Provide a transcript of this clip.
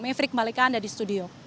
mevri kembali ke anda di studio